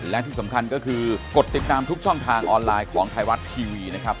และที่สำคัญก็คือกดติดตามทุกช่องทางออนไลน์ของไทยรัฐทีวีนะครับ